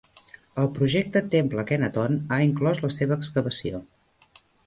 El projecte Temple Akhenaton ha inclòs la seva excavació.